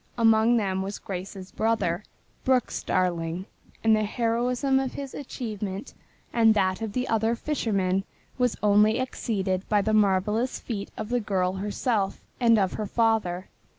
Among them was Grace's brother, Brooks Darling, and the heroism of his achievement and that of the other fishermen was only exceeded by the marvelous feat of the girl herself and of her father.